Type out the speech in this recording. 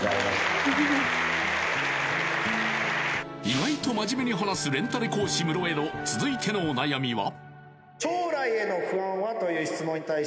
意外と真面目に話すレンタル講師ムロへの続いてのお悩みは？